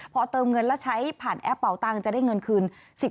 พอเติมเงินแล้วใช้ผ่านแอปเป่าตังค์จะได้เงินคืน